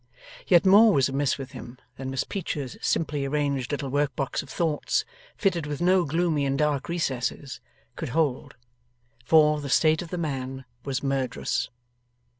Yet more was amiss with him than Miss Peecher's simply arranged little work box of thoughts, fitted with no gloomy and dark recesses, could hold. For, the state of the man was murderous.